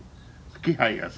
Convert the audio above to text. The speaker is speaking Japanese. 気配がする。